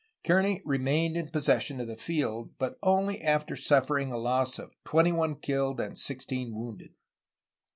Kearny remained in possession of the field, but only after suffering a loss of twenty one killed and sixteen wounded.